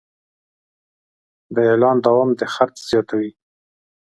د اعلان دوام د خرڅ زیاتوي.